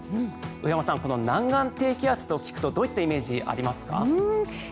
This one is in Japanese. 上山さん、南岸低気圧と聞くとどういったイメージがありますか？